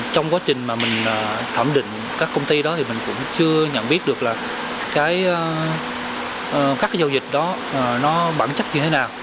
trong quá trình mà mình thẩm định các công ty đó thì mình cũng chưa nhận biết được là các cái giao dịch đó nó bản chất như thế nào